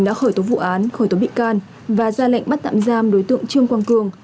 đã khởi tố vụ án khởi tố bị can và ra lệnh bắt tạm giam đối tượng trương quang cường